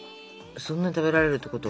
そんな食べられるってことは。